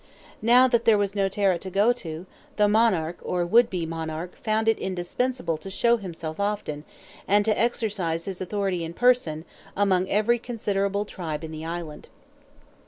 Now that there was no Tara to go to, the monarch, or would be monarch, found it indispensable to show himself often, and to exercise his authority in person, among every considerable tribe in the island.